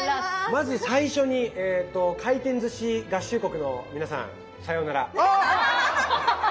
まず最初に回転ずし合衆国の皆さんさようなら。